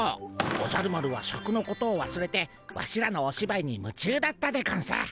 おじゃる丸はシャクのことをわすれてワシらのおしばいにむちゅうだったでゴンス。